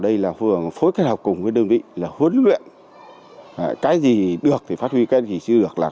đây là phường phối kết hợp cùng với đơn vị là huấn luyện cái gì được thì phát huy cái gì chưa được làm